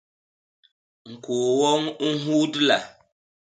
ñkôô woñ u nhudla.